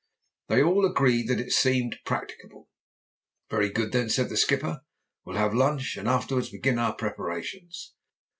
They all agreed that it seemed practicable. "Very good then," said the skipper, "we'll have lunch, and afterwards begin our preparations."